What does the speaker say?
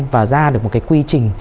và ra được một cái quy trình